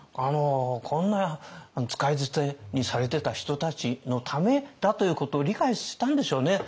こんな使い捨てにされてた人たちのためだということを理解したんでしょうね。